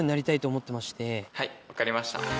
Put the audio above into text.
はい分かりました。